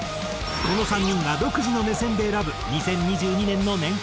この３人が独自の目線で選ぶ２０２２年の年間